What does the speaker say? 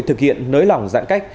thực hiện nới lỏng giãn cách